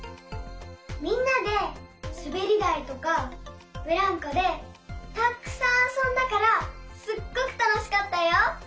みんなですべりだいとかブランコでたっくさんあそんだからすっごくたのしかったよ。